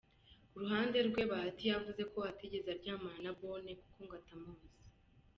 Ku ruhande rwe Bahati yavuze ko atigeze aryamana na Bonne kuko ngo atanamuzi.